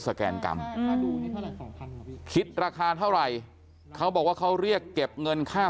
แกนกรรมคิดราคาเท่าไหร่เขาบอกว่าเขาเรียกเก็บเงินค่า